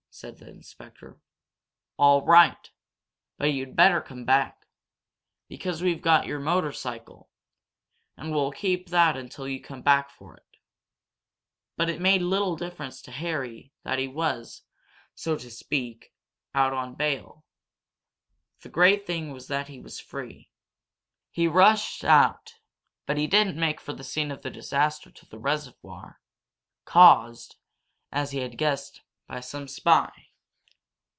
said the inspector. "All right! But you'd better come back because we've got your motorcycle, and we'll keep that until you come back for it." But it made little difference to Harry that he was, so to speak, out on bail. The great thing was that he was free. He rushed out, but he didn't make for the scene of the disaster to the reservoir, caused, as he had guessed, by some spy.